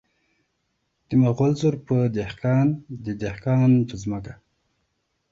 د مغل زور په دهقان د دهقان په ځمکه .